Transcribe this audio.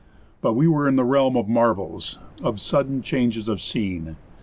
But we were in the realm of marvels, of sudden changes of scene.